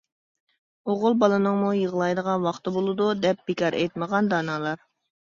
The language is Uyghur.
ئوغۇل بالىنىڭمۇ يىغلايدىغان ۋاقتى بولىدۇ دەپ بىكار ئېيتمىغان دانالار.